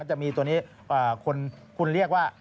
จะมีตัวนี้คุณเรียกว่า